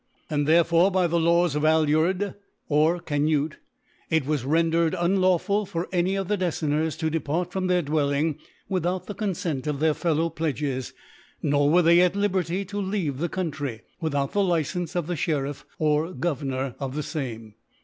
And therefore by the Laws oi Alured or Canute^ it was rendered unlawful for any of the Decenners to depart from their Dwell ing, without the Confent of their Fellow Plcd^ges ; nor were they at Liberty' to leave the Country, without the Licence 6f the Sheriff or Governor of the fame *.